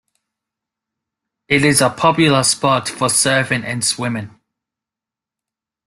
It is a popular spot for surfing and swimming.